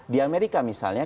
di amerika misalnya